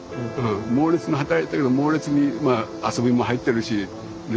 モーレツに働いたけどモーレツに遊びも入ってるしね。